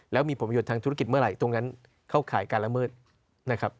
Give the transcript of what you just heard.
แล้วมีผลประโยชน์ทางธุรกิจเมื่อไหร่ตรงนั้นเข้าข่ายการละเมิดนะครับ